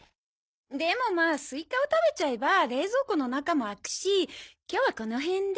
でもまあスイカを食べちゃえば冷蔵庫の中も空くし今日はこの辺で。